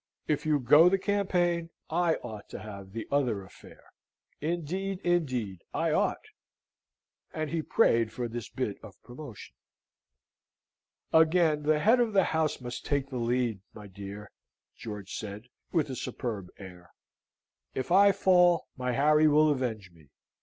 "If you go the campaign, I ought to have the other affair. Indeed, indeed, I ought." And he prayed for this bit of promotion. "Again the head of the house must take the lead, my dear," George said, with a superb air. "If I fall, my Harry will avenge me.